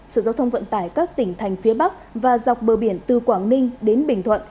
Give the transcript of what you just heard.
sở giao thông vận tải các tỉnh thành phía bắc và dọc bờ biển từ quảng ninh đến bình thuận